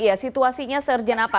iya situasinya se ergen apa